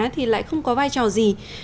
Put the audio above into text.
thì lại không có vai trò gì